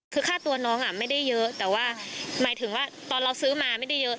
คือค่าตัวน้องไม่ได้เยอะแต่ว่าหมายถึงว่าตอนเราซื้อมาไม่ได้เยอะ